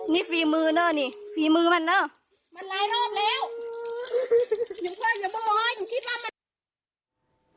นี่ฟรีมือเนอะนี่ฟรีมือมันเนอะมันลายรอบแล้ว